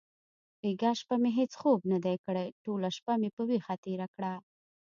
بیګا شپه مې هیڅ خوب ندی کړی. ټوله شپه مې په ویښه تېره کړه.